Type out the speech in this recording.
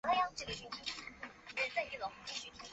新疆政法干部学校公安专业毕业。